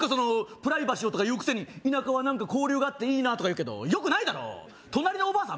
プライバシーをとか言うくせに田舎は交流があっていいなとかいうけどよくないだろ隣のおばあさん